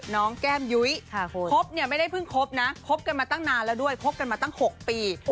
แก้มยุ้ยคบเนี่ยไม่ได้เพิ่งคบนะคบกันมาตั้งนานแล้วด้วยคบกันมาตั้ง๖ปี